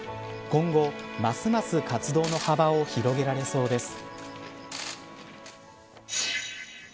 今後ますます活動の幅を広げられそうです。